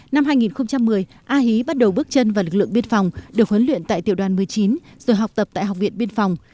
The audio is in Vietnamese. năm hai nghìn một mươi a hí bắt đầu bước chân vào lực lượng biên phòng được huấn luyện tại tiểu đoàn một mươi chín rồi học tập tại học viện biên phòng